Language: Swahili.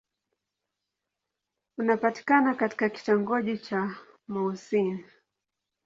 Unapatikana katika kitongoji cha Mouassine.